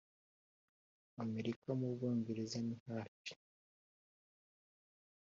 amerika mu bwongereza ni hafi